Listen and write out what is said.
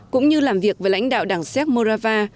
cũng như làm việc với lãnh đạo đảng xếp morava